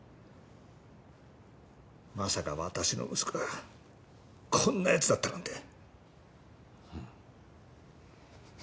まさか私の息子がこんな奴だったなんて。